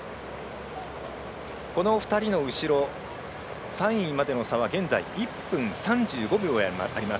この２人の後ろ３位までの差は現在１分３５秒あります。